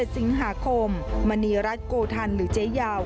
สิงหาคมมณีรัฐโกธันหรือเจ๊ยาว